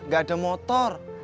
gak ada motor